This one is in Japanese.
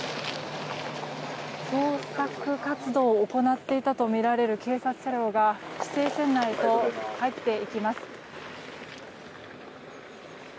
捜索活動を行っていたとみられる警察車両が規制線内へと入っていきます。